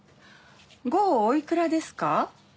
号おいくらですか？